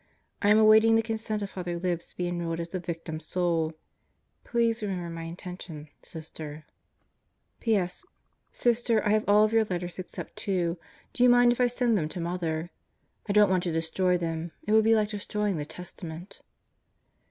I am awaiting the consent of Father Libs to be enrolled as a Victim Soul. Please remember my intention, Sister. ... P.S. Sister, I have all of your letters except two. Do you mind if Out of the Devffs Clutches 157 I send them to Mother? I don't want to destroy them. It would be like destroying the Testament.